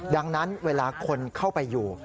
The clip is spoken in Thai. ดังนั้นเวลาคนเข้าไปอยู่